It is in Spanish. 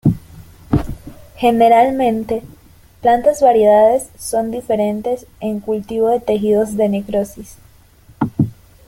Generalmente, plantas variedades son diferentes en cultivo de tejidos de necrosis.